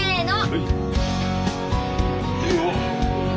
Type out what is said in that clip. はい。